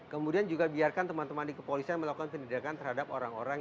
kemudian juga biarkan teman teman di kepolisian melakukan penindakan terhadap orang orang